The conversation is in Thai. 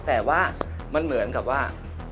แต่ว่ามันเหมือนกับว่า